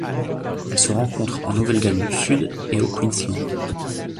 Elle se rencontre en Nouvelle-Galles du Sud et au Queensland.